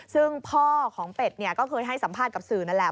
ซึ่งพ่อของเป็ดเนี่ยก็เคยให้สัมภาษณ์กับสื่อนั่นแหละ